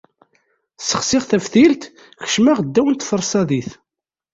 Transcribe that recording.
Sexsiɣ taftilt, kecmeɣ ddaw tfarsadit.